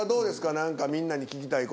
何かみんなに聞きたい事。